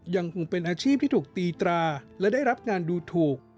ยังคงเป็นอาชีพที่ถูกตีตราและได้รับงานดูถูก